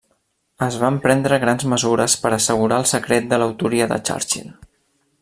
Es van prendre grans mesures per assegurar el secret de l’autoria de Churchill.